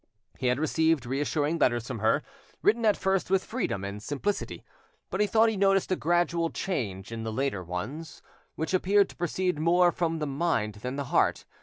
He had received reassuring letters from her, written at first with freedom and simplicity; but he thought he noticed a gradual change in the later ones, which appeared to proceed more from the mind than the heart.